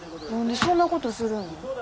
何でそんなことするん？